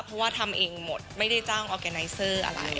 เพราะว่าทำเองหมดไม่ได้จ้างออร์แกไนเซอร์อะไร